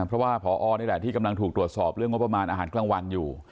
เพราะว่าพอนี่แหละที่กำลังถูกตรวจสอบเรื่องงบประมาณอาหารกลางวันอยู่